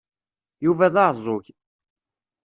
Yuba d aɛeẓẓug.